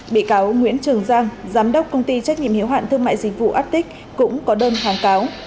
bị cáo nguyễn trường giang giám đốc công ty trách nhiệm hiếu hạn thương mại dịch vụ attic cũng có đơn kháng cáo